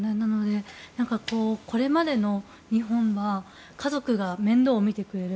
これまでの日本は家族が面倒を見てくれる。